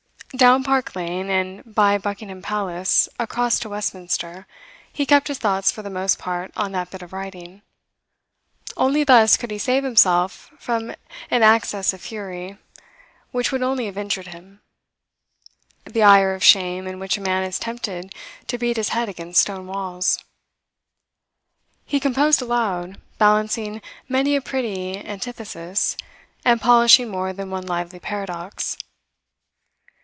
Down Park Lane, and by Buckingham Palace across to Westminster, he kept his thoughts for the most part on that bit of writing. Only thus could he save himself from an access of fury which would only have injured him the ire of shame in which a man is tempted to beat his head against stone walls. He composed aloud, balancing many a pretty antithesis, and polishing more than one lively paradox.